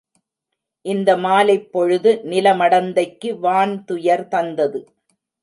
இந்த மாலைப்பொழுது நில மடந்தைக்கு வான்துயர் தந்தது.